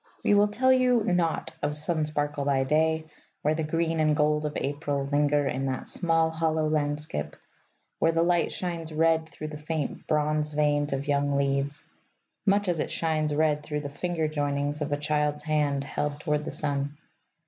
We will tell you naught of sun sparkle by day where the green and gold of April linger in that small hollow landskip, where the light shines red through the faint bronze veins of young leaves much as it shines red through the finger joinings of a child's hand held toward the sun.